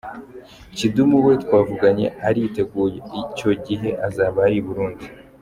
Kidum we twavuganye ariteguye, icyo gihe azaba ari i Burundi.